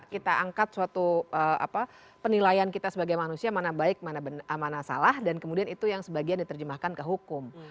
kita angkat suatu penilaian kita sebagai manusia mana baik mana salah dan kemudian itu yang sebagian diterjemahkan ke hukum